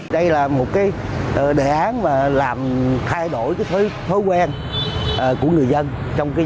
đây là một đề án làm thay đổi thói quen của người dân trong sinh hoạt